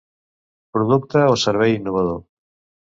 Producte o servei innovador.